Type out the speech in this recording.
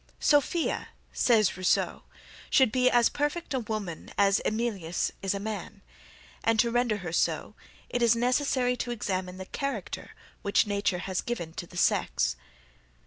Sophia, says Rousseau, should be as perfect a woman as Emilius is a man, and to render her so, it is necessary to examine the character which nature has given to the sex.